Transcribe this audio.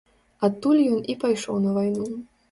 Адтуль ён і пайшоў на вайну.